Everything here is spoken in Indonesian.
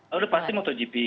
udah pasti motogp